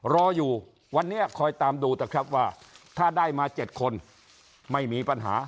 รออยู่วันนี้คอยตามดูเถอะครับว่าถ้าได้มา๗คนไม่มีปัญหา